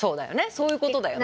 そういうことだよね。